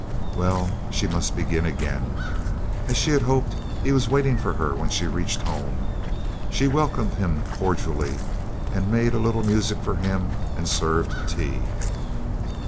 Well, she must begin again. As she had hoped, he was waiting for her when she reached home. She welcomed him cordially, made a little music for him, and served tea.